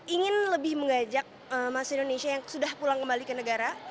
ingin lebih mengajak mahasiswa indonesia yang sudah pulang kembali ke negara